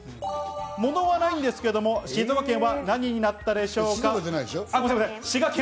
ものはないんですけれども、滋賀県は何になったでしょうか？